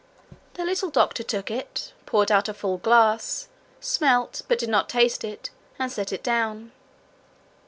The little doctor took it, poured out a full glass, smelt, but did not taste it, and set it down.